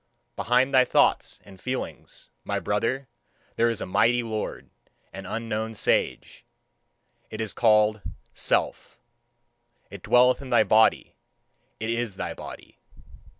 Behind thy thoughts and feelings, my brother, there is a mighty lord, an unknown sage it is called Self; it dwelleth in thy body, it is thy body.